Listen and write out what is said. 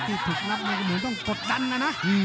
ที่ถูกนับเนี่ยเหมือนต้องกดดันนะนะ